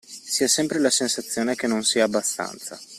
Si ha sempre la sensazione che non sia abbastanza.